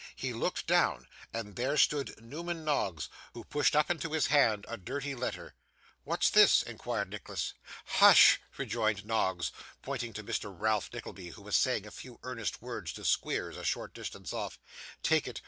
He looked down, and there stood Newman Noggs, who pushed up into his hand a dirty letter. 'What's this?' inquired Nicholas. 'Hush!' rejoined Noggs, pointing to Mr. Ralph Nickleby, who was saying a few earnest words to Squeers, a short distance off: 'Take it.